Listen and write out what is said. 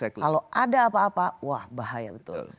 kalau ada apa apa wah bahaya betul